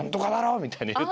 みたいに言うと。